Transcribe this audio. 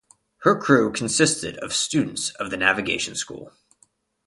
Her crew consisted of students of the navigation school.